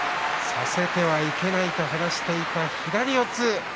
させてはいけないと話していた左四つ。